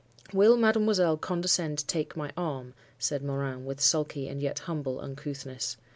"'Will mademoiselle condescend to take my arm?' said Morin, with sulky, and yet humble, uncouthness.